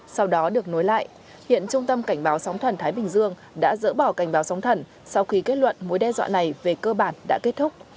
sau đó được nối lại hiện trung tâm cảnh báo sóng thần thái bình dương đã dỡ bỏ cảnh báo sóng thần sau khi kết luận mối đe dọa này về cơ bản đã kết thúc